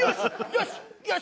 よし！